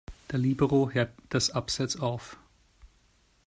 Der Libero hebt das Abseits auf.